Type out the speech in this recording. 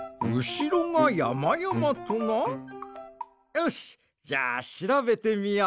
よしじゃあしらべてみよう。